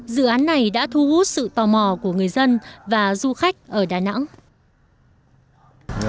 dự án này đã thu hút sự tò mò của người dân và du khách ở đà nẵng